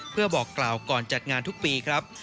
เพื่อบอกกล่าวก่อนจัดงานทุกปีครับ